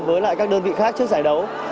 với các đơn vị khác trước giải đấu